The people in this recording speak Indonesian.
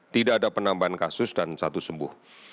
tidak ada penambahan kasus dan satu sembuh